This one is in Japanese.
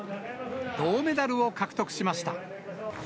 銅メダルを獲得しました。